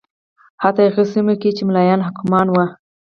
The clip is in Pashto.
حتی هغه سیمو کې چې ملایان حاکمان و